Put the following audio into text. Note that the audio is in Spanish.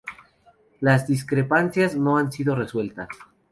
Las discrepancias no han sido resueltas.